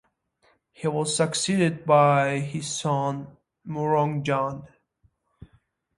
He was succeeded by his son Murong Jun.